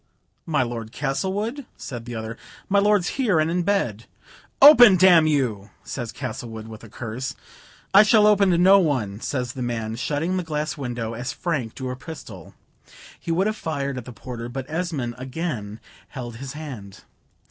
"My Lord Castlewood?" says the other; "my lord's here, and in bed." "Open, d n you," says Castlewood, with a curse. "I shall open to no one," says the man, shutting the glass window as Frank drew a pistol. He would have fired at the porter, but Esmond again held his hand.